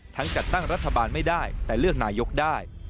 จัดตั้งรัฐบาลไม่ได้แต่เลือกนายกได้